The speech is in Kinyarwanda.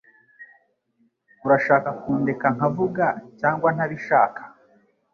Urashaka kundeka nkavuga cyangwa ntabishaka